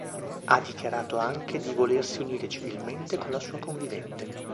Ha dichiarato anche di volersi unire civilmente con la sua convivente.